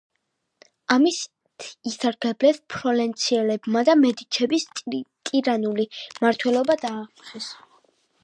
ამით ისარგებლეს ფლორენციელებმა და მედიჩების ტირანული მმართველობა დაამხეს.